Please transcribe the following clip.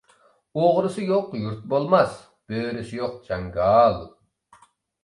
ئوغرىسى يوق يۇرت بولماس، بۆرىسى يوق جاڭگال.